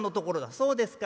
「そうですか。